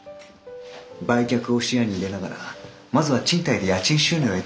売却を視野に入れながらまずは賃貸で家賃収入を得てはいかがですか？